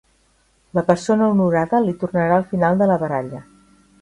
La persona honorada li tornarà al final de la baralla.